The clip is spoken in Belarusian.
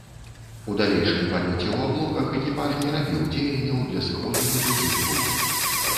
У далейшым палёце ў аблоках экіпаж не рабіў дзеянняў для сыходу на другі круг.